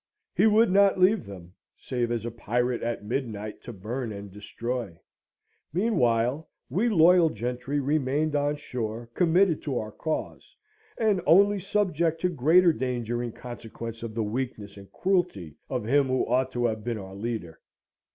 He would not leave them, save as a pirate at midnight to burn and destroy. Meanwhile, we loyal gentry remained on shore, committed to our cause, and only subject to greater danger in consequence of the weakness and cruelty of him who ought to have been our leader.